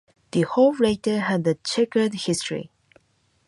The Hall later had a chequered history.